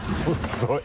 遅い。